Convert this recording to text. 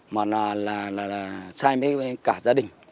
mà là sai với cả gia đình